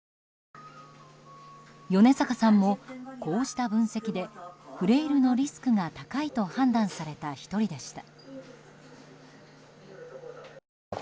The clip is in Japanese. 米坂さんも、こうした分析でフレイルのリスクが高いと判断された１人でした。